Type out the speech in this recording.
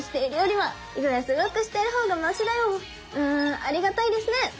うんありがたいですねぇ！